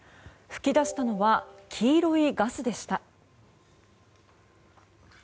噴き出したのは黄色いガスでした。